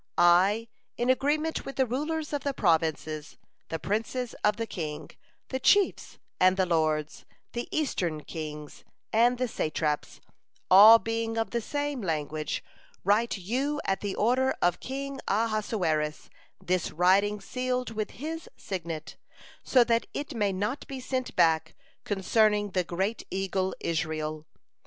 I, in agreement with the rulers of the provinces, the princes of the king, the chiefs and the lords, the Eastern kings and the satraps, all being of the same language, write you at the order of King Ahasuerus this writing sealed with his signet, so that it may not be sent back, concerning the great eagle Israel.